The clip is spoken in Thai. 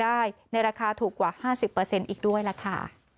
ได้ในราคาถูกกว่าห้าสิบเปอร์เซ็นต์อีกด้วยล่ะค่ะ